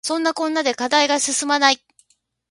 そんなこんなで課題が進まない